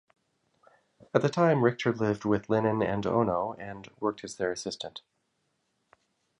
At the time, Richter lived with Lennon and Ono and worked as their assistant.